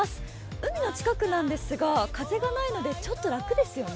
海の近くなんですが風がないのでちょっと楽ですよね。